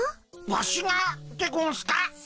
ワシがでゴンスか？